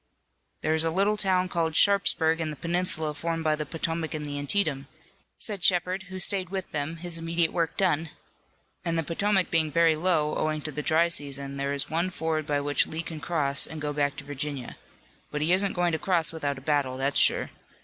"There's a little town called Sharpsburg in the peninsula formed by the Potomac and the Antietam," said Shepard, who stayed with them, his immediate work done, "and the Potomac being very low, owing to the dry season, there is one ford by which Lee can cross and go back to Virginia. But he isn't going to cross without a battle, that's sure.